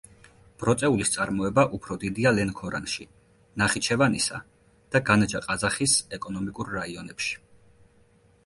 ბროწეულის წარმოება უფრო დიდია ლენქორანში, ნახიჩევანისა და განჯა-ყაზახის ეკონომიკურ რაიონებში.